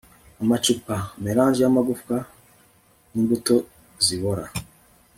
amacupa, mélange yamagufwa n'imbuto zibora